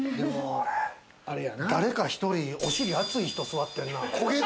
誰か１人、おしり熱い人、座ってんな。